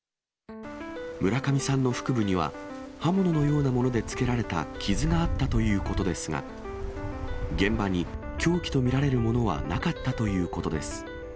村上さんの腹部には、刃物のようなものでつけられた傷があったということですが、現場に凶器と見られるものはなかったということです。